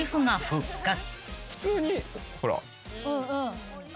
普通にほら。